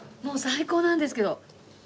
もう最高なんですけど。